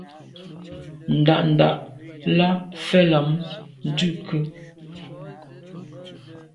Ndà’ndà’ lα mfɛ̂l ὰm Ndʉ̂kə.